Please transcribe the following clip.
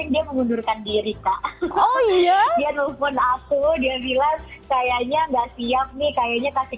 dia mengundurkan diri oh ya ya nelfon aku dia bilang kayaknya nggak siap nih kayaknya kasih